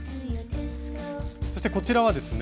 そしてこちらはですね